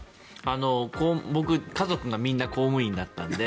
僕、家族がみんな公務員だったので